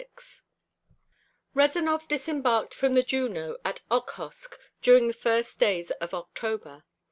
XXVI Rezanov disembarked from the Juno at Okhotsk during the first days of October.